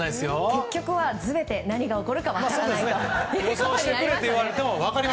結局全て何が起こるか分からないと。